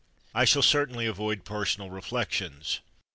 I shall certainly avoid personal reflections.